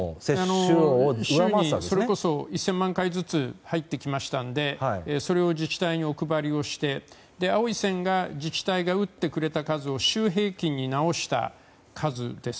週にそれこそ１０００万回ずつ入ってきたのでそれを自治体にお配りをして、青い線が自治体が打ってくれた数を週平均に直した数です。